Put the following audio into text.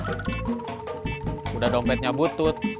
sudah dompetnya butut